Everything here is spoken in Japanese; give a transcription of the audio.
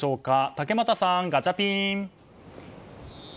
竹俣さん、ガチャピン。